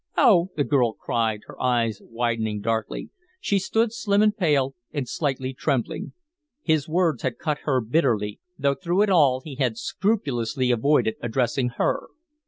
"Oh!" the girl cried her eyes widening darkly. She stood slim and pale and slightly trembling. His words had cut her bitterly, though through it all he had scrupulously avoided addressing her.